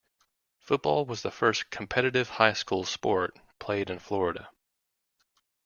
Football was the first competitive high school sport played in Florida.